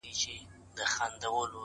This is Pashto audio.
ستادی _ستادی _ستادی فريادي گلي _